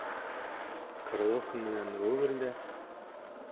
Крылов менән Гоголь дә...